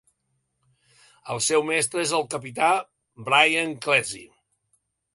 El seu mestre és el capità Brian Clesi.